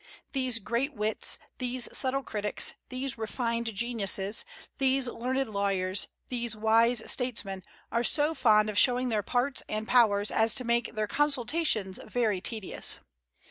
These great wits, these subtle critics, these refined geniuses, these learned lawyers, these wise statesmen, are so fond of showing their parts and powers as to make their consultations very tedious.